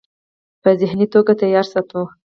پۀ ذهني توګه تيار ساتو -